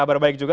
kabar baik juga